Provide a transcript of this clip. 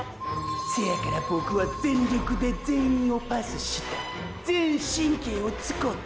せやからボクは全力で全員をパスした全神経を使て！！